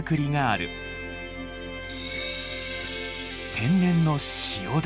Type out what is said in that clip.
天然の塩だ。